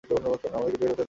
আমাদেরকে বের হতে দাও।